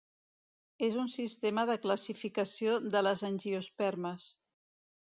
És un sistema de classificació de les angiospermes.